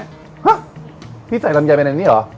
ฮะพี่ใส่ลำไยไปในนี้เหรอ